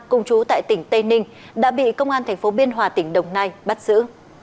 cùng chú tại tỉnh tây ninh đã bị công an thành phố biên hòa tỉnh đồng nai bắt giữ